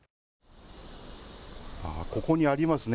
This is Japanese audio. ここにありますね。